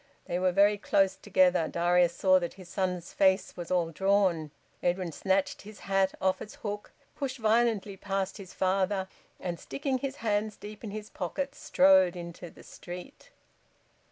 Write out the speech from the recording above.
They were very close together. Darius saw that his son's face was all drawn. Edwin snatched his hat off its hook, pushed violently past his father and, sticking his hands deep in his pockets, strode into the street.